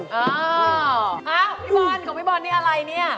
ครับพี่บอลของพี่บอลนี่อะไรนี่